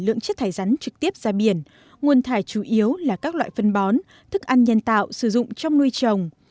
lượng chất thải rắn trực tiếp ra biển nguồn thải chủ yếu là các loại phân bón thức ăn nhân tạo sử dụng trong nuôi trồng